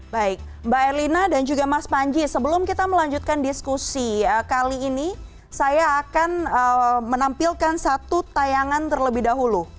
baik mbak erlina dan juga mas panji sebelum kita melanjutkan diskusi kali ini saya akan menampilkan satu tayangan terlebih dahulu